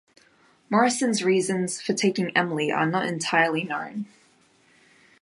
Morrison's reasons for taking Emily are not entirely known.